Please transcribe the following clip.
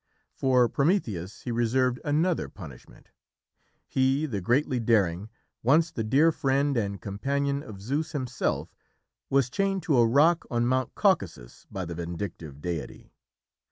For Prometheus he reserved another punishment. He, the greatly daring, once the dear friend and companion of Zeus himself, was chained to a rock on Mount Caucasus by the vindictive deity.